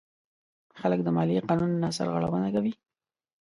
خلک د مالیې قانون نه سرغړونه کوي.